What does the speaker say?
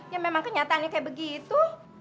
ya memang kenyataannya kayak begitu